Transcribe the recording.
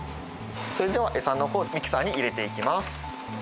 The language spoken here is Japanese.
それではエサのほうミキサーに入れていきます